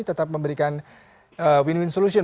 tetap memberikan win win solution